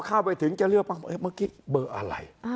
เข้าไปถึงจะเลือกบ้างเมื่อกี้เบอร์อะไร